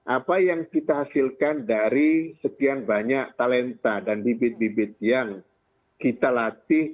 apa yang kita hasilkan dari sekian banyak talenta dan bibit bibit yang kita latih